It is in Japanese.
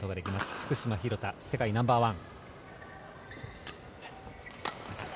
福島、廣田世界ナンバーワン。